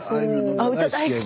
「歌大好き！」